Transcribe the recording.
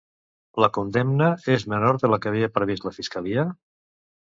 La condemna és menor de la que havia previst la fiscalia?